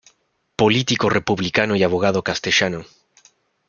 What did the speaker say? Político republicano y abogado castellano.